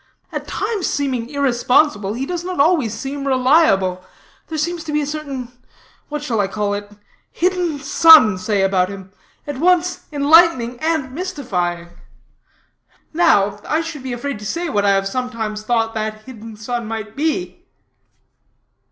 At times seeming irresponsible, he does not always seem reliable. There appears to be a certain what shall I call it? hidden sun, say, about him, at once enlightening and mystifying. Now, I should be afraid to say what I have sometimes thought that hidden sun might be."